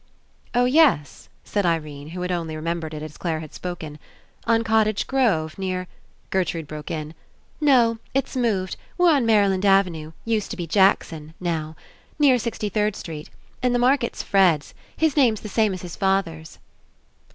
"Oh, yes," said Irene, who had only remembered It as Clare had spoken, "on Cot tage Grove near —" Gertrude broke In. "No. It's moved. We're on Maryland Avenue — used to be Jack son — now. Near Sixty third Street. And the market's Fred's. His name's the same as his father's."